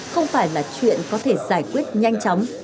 không phải là chuyện có thể giải quyết nhanh chóng